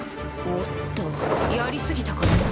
おっとやり過ぎたかな。